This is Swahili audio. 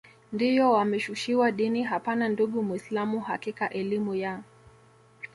ndiyo wameshushiwa dini hapana ndugu muislam hakika elimu ya